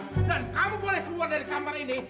dan kamu boleh keluar dari kamar ini